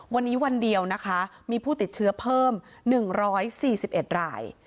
วันนี้วันเดียวนะคะมีผู้ติดเชื้อเพิ่ม๑๔๑ราย